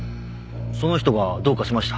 その人がどうかしました？